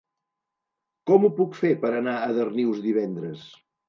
Com ho puc fer per anar a Darnius divendres?